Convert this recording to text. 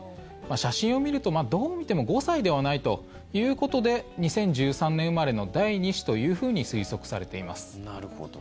写真を見ると、どう見ても５歳ではないということで２０１３年生まれの第２子というふうに推測されています。